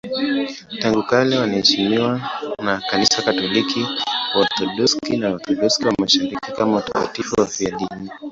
Tangu kale wanaheshimiwa na Kanisa Katoliki, Waorthodoksi na Waorthodoksi wa Mashariki kama watakatifu wafiadini.